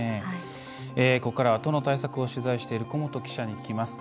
ここからは都の対策を取材している古本記者に聞きます。